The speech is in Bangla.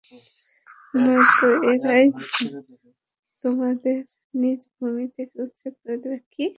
নয়তো এরাই তোমাদের নিজ ভূমি থেকে উচ্ছেদ করে দিবে।